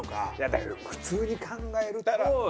だけど普通に考えたら。